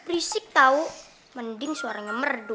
risik tahu mending suaranya merdu